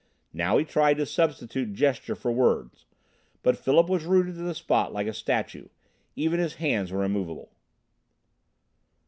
Now he tried to substitute gesture for words, but Philip was rooted to the spot like a statue; even his hands were immovable.